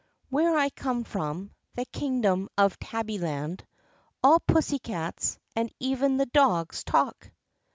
"Where I come from — the kingdom of Tabbyland — all pussycats, and even the dogs, talk."